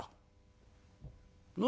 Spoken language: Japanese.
「何？